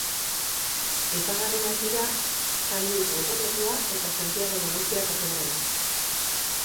Aipagarriak dira San Luis gotorlekua eta Santiago Nagusia katedrala.